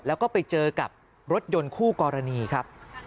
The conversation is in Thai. แล้วก็ไปเจอกับรถยนต์คู่กรณีครับ